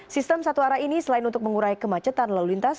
sistem satu arah ini selain untuk mengurai kemacetan lalu lintas